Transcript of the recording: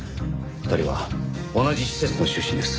２人は同じ施設の出身です。